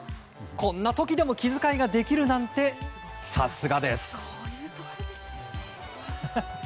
こんな時でも気遣いできるなんてさすがです！